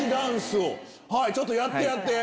ちょっとやってやって！